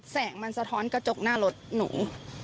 แสงมันสะท้อนกระจกหน้ารถหนู